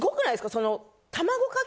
その。